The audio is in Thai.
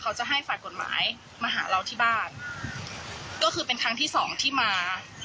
เขาจะให้ฝ่ายกฎหมายมาหาเราที่บ้านเป็นทางที่๒ที่มา